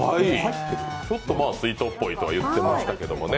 ちょっと水筒っぽいとは言ってましたけれどもね。